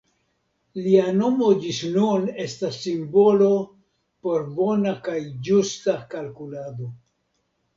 Lia nomo ĝis nun estas simbolo por bona kaj ĝusta kalkulado.